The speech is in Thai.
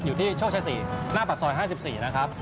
อยู่ที่โชคชะ๔หน้าปากซอย๕๔นะครับ